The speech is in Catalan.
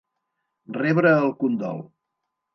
Rebre el condol.